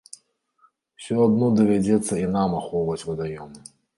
Усё адно давядзецца і нам ахоўваць вадаёмы.